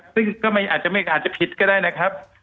ซึ่งอาจจะผิดก็ได้นะครับ